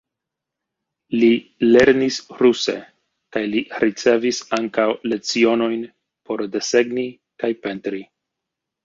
Li lernis ruse kaj li ricevis ankaŭ lecionojn por desegni kaj pentri.